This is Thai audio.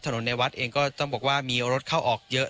ในวัดเองก็ต้องบอกว่ามีรถเข้าออกเยอะ